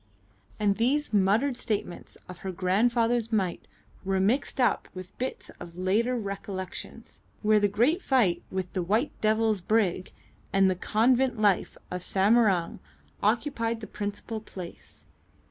And these muttered statements of her grandfather's might were mixed up with bits of later recollections, where the great fight with the "White Devil's" brig and the convent life in Samarang occupied the principal place.